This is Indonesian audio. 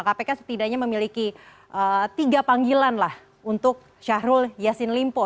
kpk setidaknya memiliki tiga panggilan lah untuk syahrul yassin limpo